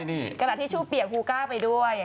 เออกระเทชู่เปียกไปด้วย